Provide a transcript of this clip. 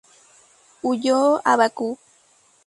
Huyó a Bakú.